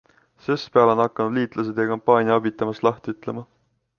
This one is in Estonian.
Sestpeale on hakanud liitlased ja kampaaniaabid temast lahti ütlema.